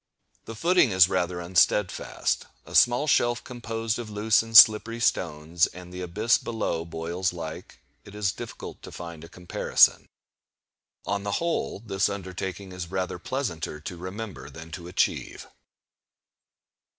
The footing is rather unsteadfast, a small shelf composed of loose and slippery stones; and the abyss below boils like—it is difficult to find a comparison. On the whole, this undertaking is rather pleasanter to remember than to achieve.